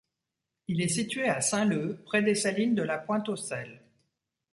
Il est situé à Saint-Leu près des salines de la Pointe au Sel.